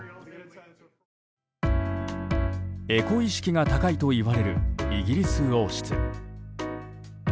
エコ意識が高いといわれるイギリス王室。